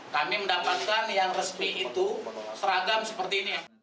kami mendapatkan yang resmi itu seragam seperti ini